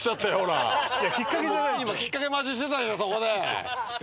今きっかけ待ちしてたじゃないそこで。